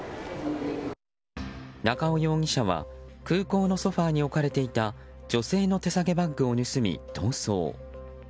中尾容疑者は空港のソファに置かれていた女性の手提げバッグを盗み、逃走。